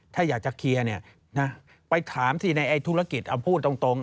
ถ้าอยากจะเคลียร์เนี่ยนะไปถามสิในธุรกิจเอาพูดตรง